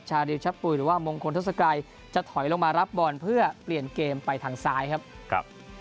ริวชะปุ๋ยหรือว่ามงคลทศกัยจะถอยลงมารับบอลเพื่อเปลี่ยนเกมไปทางซ้ายครับ